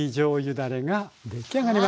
だれが出来上がりましたと。